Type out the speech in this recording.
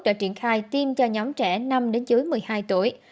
đã triển khai tiêm cho nhóm trẻ năm đến dưới một mươi hai tuổi